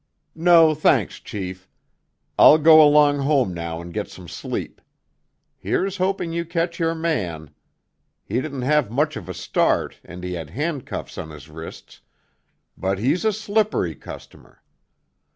"No, thanks, chief. I'll go along home now and get some sleep. Here's hoping you catch your man. He didn't have much of a start, and he had handcuffs on his wrists—but he's a slippery customer.